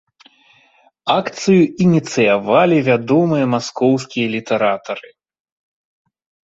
Акцыю ініцыявалі вядомыя маскоўскія літаратары.